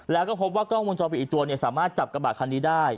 แล้วก็พบว่ากล้องวงจรปิดอีกตัวสามารถจับกระบาดคันนี้ได้